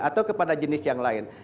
atau kepada jenis yang lain